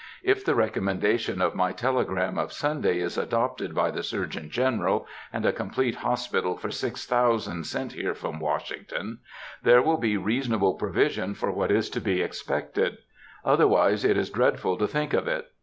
If the recommendation of my telegram of Sunday is adopted by the Surgeon General, and a complete hospital for six thousand sent here from Washington, there will be reasonable provision for what is to be expected; otherwise it is dreadful to think of it.